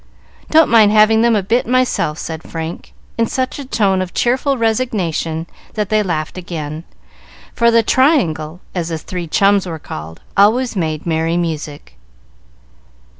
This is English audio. Don't mind having them a bit myself," said Frank, in such a tone of cheerful resignation that they laughed again, for the "Triangle," as the three chums were called, always made merry music.